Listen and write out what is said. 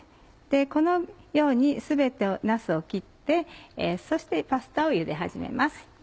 このように全てなすを切ってそしてパスタをゆで始めます。